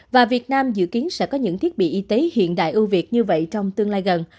và việt nam dự kiến sẽ có những thiết bị y tế hiện đại ưu việt như vậy trong tương lai gần